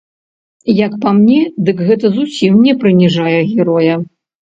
Як па мне, дык гэта зусім не прыніжае героя.